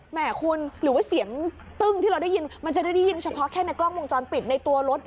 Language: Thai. แห่คุณหรือว่าเสียงตึ้งที่เราได้ยินมันจะได้ยินเฉพาะแค่ในกล้องวงจรปิดในตัวรถ